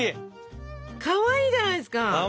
かわいいじゃないですか。